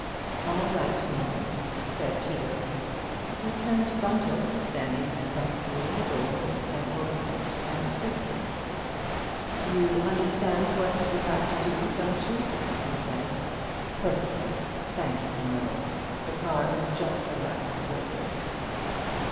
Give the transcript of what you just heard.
"All right, Mother," said Peter. He turned to Bunter, standing respectfully in the door with an overcoat and suitcase. "You understand what you have to do, don't you?" he said. "Perfectly, thank you, my lord. The car is just arriving, your Grace."